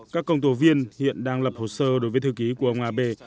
các công tố viên hiện đang lập hồ sơ đối với thư ký của ông abe